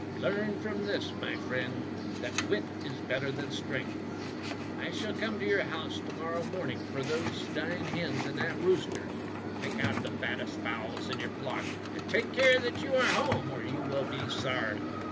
"Learn from this, my friend, that wit is better than strength. I shall come to your house to morrow morning for those 194 Fairy Tale Foxes nine hens and that rooster. Pick out the fattest fowls in your flock, and take care that you are at home, or you will be sorry!"